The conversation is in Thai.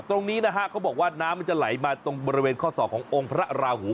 ตรงนี้นะฮะเขาบอกว่าน้ำมันจะไหลมาตรงบริเวณข้อศอกขององค์พระราหู